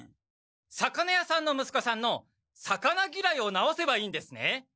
魚屋さんの息子さんの魚ぎらいをなおせばいいんですね？